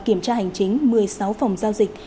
kiểm tra hành chính một mươi sáu phòng giao dịch